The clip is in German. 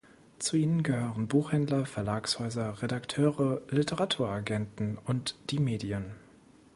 Zu ihnen gehören Buchhändler, Verlagshäuser, Redakteure, Literaturagenten und die Medien.